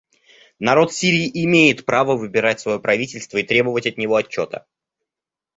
Народ Сирии имеет право выбирать свое правительство и требовать от него отчета.